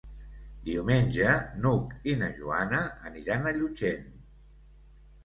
Diumenge n'Hug i na Joana aniran a Llutxent.